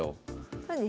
そうですね。